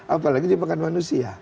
apalagi dimakan manusia